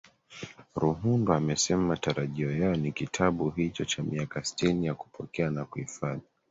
Ruhundwa amesema matarajio yao ni kitabu hicho cha miaka sitini ya kupokea na kuhifadhi